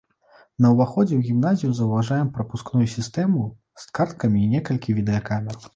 На ўваходзе ў гімназію заўважаем прапускную сістэму з карткамі і некалькі відэакамер.